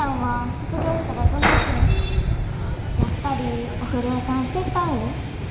やっぱりお風呂屋さん手伝うん？